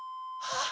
ああ。